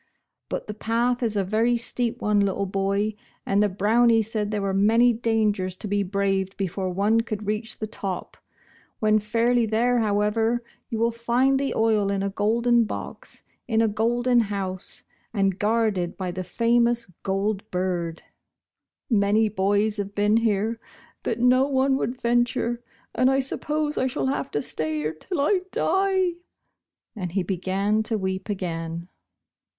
"But the path is a very steep one, little boy, and the Brownie said there were many dangers to be braved before one could reach the top. \\Tien foiriy there, however, you will find the oil in a golden box, in a golden house, and guarded by the Yimous Gold Bird. Many bo\3 have been here, but no one would venture, and I suppose I shall have to stay here till I die," and he b^ran to weep again.